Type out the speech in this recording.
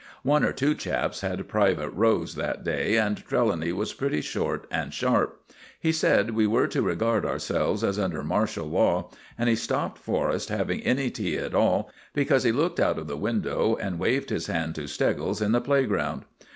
One or two chaps had private rows that day, and Trelawny was pretty short and sharp. He said we were to regard ourselves as under martial law, and he stopped Forrest having any tea at all because he looked out of the window and waved his hand to Steggles in the playground.